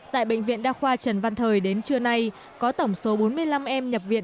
tại bệnh viện đa khoa trần văn thời đến trưa nay có tổng số bốn mươi năm em nhập viện